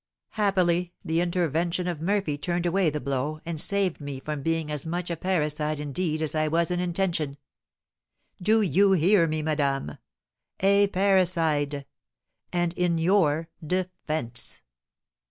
Happily the intervention of Murphy turned away the blow, and saved me from being as much a parricide in deed as I was in intention. Do you hear me, madame? A parricide! And in your defence!"